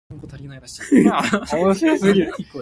𤆬